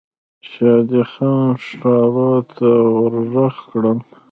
شادي خان ښارو ته ور ږغ کړل.